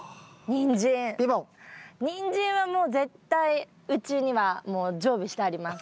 ニンジンはもう絶対うちにはもう常備してあります。